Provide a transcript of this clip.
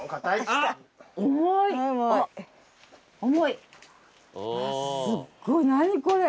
あっすっごい何これ。